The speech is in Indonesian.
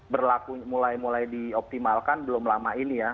berlaku mulai mulai dioptimalkan belum lama ini ya